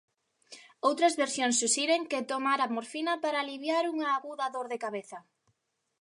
Outras versións suxiren que tomara morfina para aliviar unha aguda dor de cabeza.